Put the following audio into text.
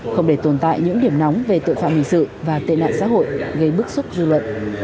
không để tồn tại những điểm nóng về tội phạm hình sự và tệ nạn xã hội gây bức xúc dư luận